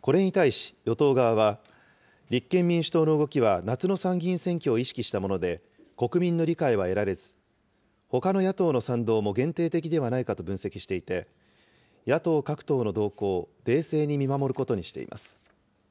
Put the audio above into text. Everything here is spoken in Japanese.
これに対し与党側は、立憲民主党の動きは夏の参議院選挙を意識したもので、国民の理解は得られず、ほかの野党の賛同も限定的ではないかと分析していて、野党各党の動向を冷静に見守ることにしています。